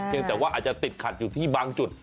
ยังแต่ว่าอาจจะติดขัดอยู่ที่บางจุด